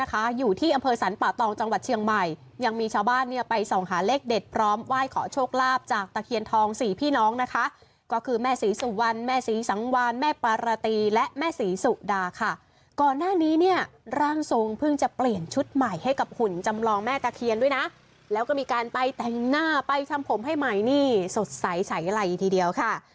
อยู่ที่อำเภอสรรปะตองจังหวัดเชียงใหม่ยังมีชาวบ้านเนี่ยไปส่องหาเลขเด็ดพร้อมไหว้ขอโชคลาภจากตะเคียนทองสี่พี่น้องนะคะก็คือแม่ศรีสุวรรณแม่ศรีสังวานแม่ปาราตีและแม่ศรีสุดาค่ะก่อนหน้านี้เนี่ยร่างทรงเพิ่งจะเปลี่ยนชุดใหม่ให้กับหุ่นจำลองแม่ตะเคียนด้วยนะแล้วก็มีการไปแต่งหน้าไปทำผมให้ใหม่นี่สดใสใสไหลทีเดียวค่ะ